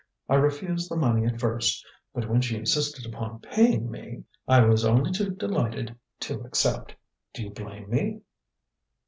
I refused the money at first, but when she insisted upon paying me, I was only too delighted to accept. Do you blame me?"